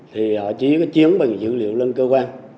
thì họ chỉ có chiếm bằng dữ liệu lên cơ quan